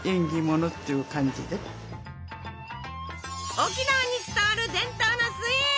沖縄に伝わる伝統のスイーツ！